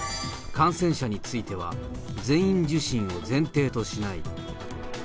感染者については、全員受診を前提としない。